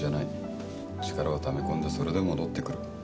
力をため込んでそれで戻ってくる。